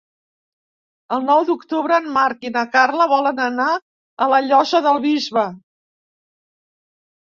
El nou d'octubre en Marc i na Carla volen anar a la Llosa del Bisbe.